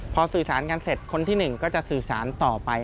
พอสื่อสารกันเสร็จคนที่๑ก็จะสื่อสารต่อไป